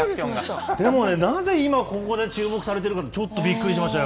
でも、なぜ今ここで注目されているかって、ちょっとびっくりしましたよ。